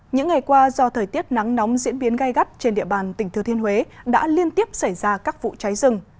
những ngày qua do thời tiết nắng nóng diễn biến gai gắt trên địa bàn tỉnh thừa thiên huế đã liên tiếp xảy ra các vụ cháy rừng